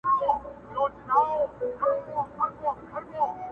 o ته له ما جار، زه له تا جار٫